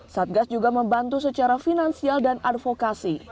satgas juga membantu secara finansial dan advokasi